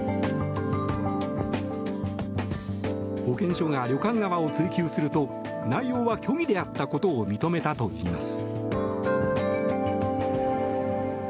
保健所が旅館側を追及すると内容は虚偽であったことを認めたといいます。